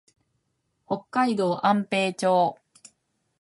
北海道安平町